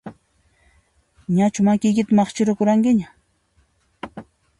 Ñachu makiykita maqchikuranqiña?